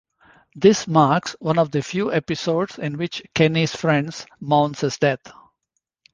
This marks one of the few episodes in which Kenny's friends mourn his death.